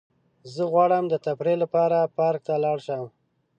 زه غواړم تفریح لپاره پارک ته لاړ شم.